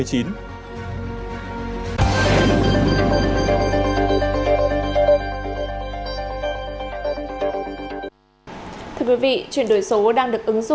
thưa quý vị chuyển đổi số đang được ứng dụng